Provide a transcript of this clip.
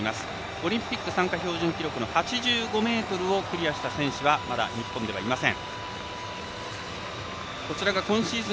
オリンピック参加標準記録８５ｍをクリアした選手はまだ日本ではいません。